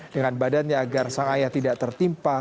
dengan badannya agar sang ayah tidak tertimpa